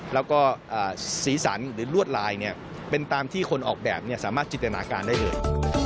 แล้วก็สีสันหรือลวดลายเป็นตามที่คนออกแบบสามารถจินตนาการได้เลย